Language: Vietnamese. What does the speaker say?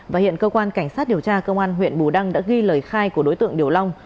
và hiện cơ quan cảnh sát điều tra cơ quan huyện bù đăng đã ghi lời khai của đối tượng điểu long